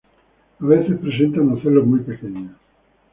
A veces presentan ocelos muy pequeños.